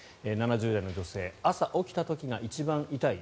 ７０代の女性朝起きた時が一番痛い。